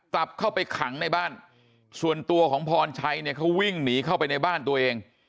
กลับเข้าไปขังในบ้านส่วนตัวของพรชัยเนี่ยเขาวิ่งหนีเข้าไปในบ้านตัวเอง